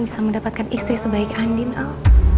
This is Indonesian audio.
bisa mendapatkan istri sebaik andin al